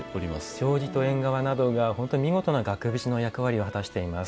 障子と縁側などが見事な額縁の役割を果たしています。